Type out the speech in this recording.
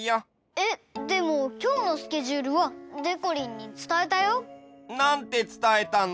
えっでもきょうのスケジュールはでこりんにつたえたよ。なんてつたえたの？